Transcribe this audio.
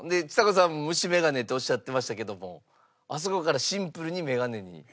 ちさ子さんも虫メガネっておっしゃってましたけどもあそこからシンプルにメガネに。